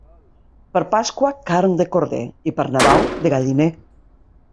Per Pasqua, carn de corder, i per Nadal, de galliner.